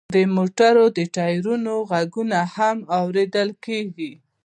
د موټرو د ټیرونو غږونه هم اوریدل کیږي